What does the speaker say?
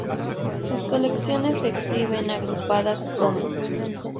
Sus colecciones se exhiben agrupadas como,